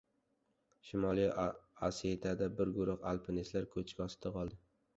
Shimoliy Osetiyada bir guruh alpinistlar ko‘chki ostida qoldi